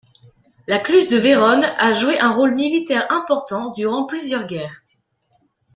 La cluse de Vérone a joué un rôle militaire important durant plusieurs guerres.